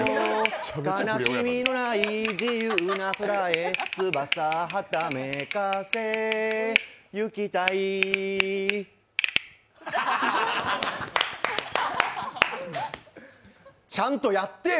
悲しみのない自由な空へ翼はためかせてゆきたいちゃんとやってよ。